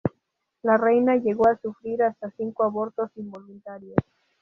La reina llegó a sufrir hasta cinco abortos involuntarios.